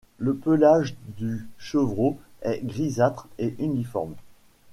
Le pelage du chevreau est grisâtre et uniforme.